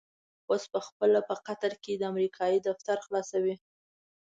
اوس په خپله په قطر کې امريکايي دفتر خلاصوي.